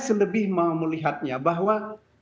selebih mau melihatnya bahwa